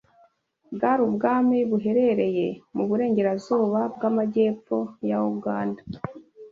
bwari ubwami buherereye mu Burengerazuba bw’Amajyepfo ya Uganda